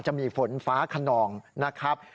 จะมีฝนฟ้าขนองนะครับ